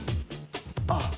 あっ。